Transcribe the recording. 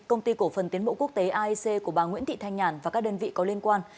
công ty cổ phần tiến bộ quốc tế aec của bà nguyễn thị thanh nhàn và các đơn vị có liên quan